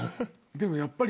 でもやっぱり。